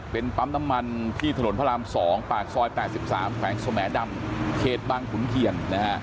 เป็นปั๊มน้ำมันที่ถนนพระราม๒ปากซอย๘๓แขวงสมดำเขตบางขุนเทียนนะฮะ